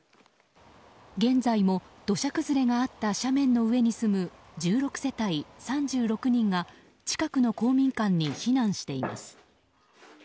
現在も土砂崩れがあった斜面の上に住む１６世帯３６人が近くの公民館に避難しています。